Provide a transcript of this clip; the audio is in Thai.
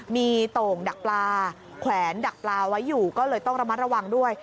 มีโต่งดักปลาแขวนดักปลาไว้อยู่ก็เลยต้องระมัดระวังด้วย